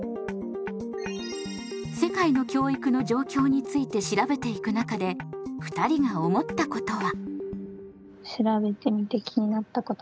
世界の教育の状況について調べていく中で２人が思ったことは？